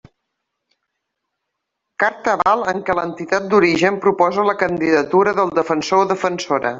Carta aval en què l'entitat d'origen proposa la candidatura del Defensor o Defensora.